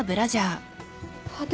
派手。